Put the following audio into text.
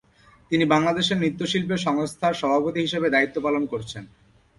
তিনি বাংলাদেশ নৃত্য শিল্পী সংস্থার সভাপতি হিসেবে দায়িত্ব পালন করছেন।